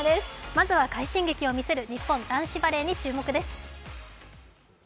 まずは快進撃を見せる日本男子バレーに注目です。